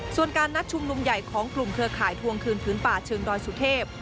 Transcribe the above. ส่วนการนัดชุมนุมใหญ่ของกลุ่มเครือข่ายทวงคืนพื้นป่าเชิงดอยสุเทพ